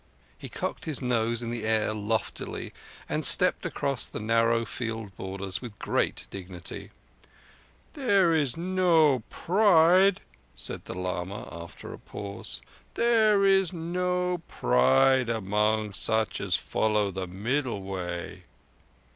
He cocked his nose in the air loftily and stepped across the narrow field borders with great dignity. "There is no pride," said the lama, after a pause, "there is no pride among such as follow the Middle Way."